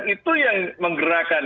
itu yang menggerakkan